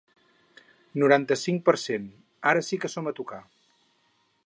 Noranta-cinc per cent Ara sí que som a tocar.